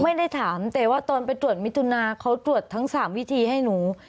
ไม่ได้ถามแต่ว่าตอนไปตรวจมิถุนาเขาตรวจทั้ง๓วิธีให้หนู